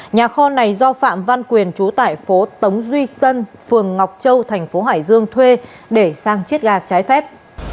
nhà kho này do phạm văn quyền trú tại phố tống duy tân phường ngọc châu thành phố hải dương thuê để sang chiết ga trái phép